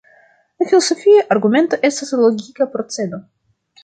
En filozofio, argumento estas logika procedo.